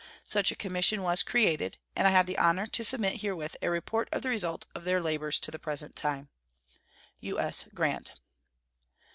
Such a commission was created, and I have the honor to submit herewith a report of the result of their labors to the present time. U.S. GRANT.